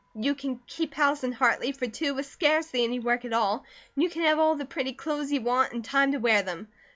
You can keep house in Hartley for two with scarcely any work at all, and you can have all the pretty clothes you want, and time to wear them.